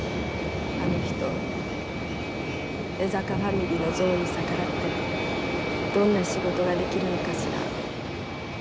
あの人江坂ファミリーの憎悪に逆らってどんな仕事ができるのかしら。